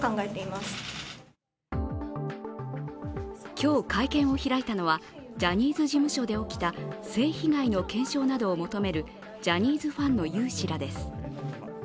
今日、会見を開いたのはジャニーズ事務所で起きた性被害の検証などを求めるジャニーズファンの有志らです。